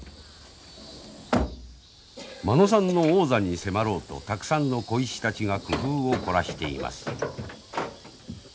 間野さんの王座に迫ろうとたくさんの鯉師たちが工夫を凝らしています。